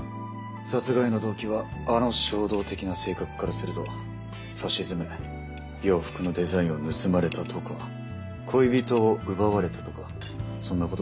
殺害の動機はあの衝動的な性格からするとさしずめ洋服のデザインを盗まれたとか恋人を奪われたとかそんなことだろう。